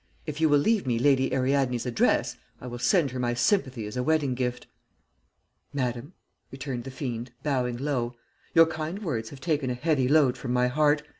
If you will leave me Lady Ariadne's address, I will send her my sympathy as a wedding gift.' "'Madam,' returned the fiend, bowing low, 'your kind words have taken a heavy load from my heart.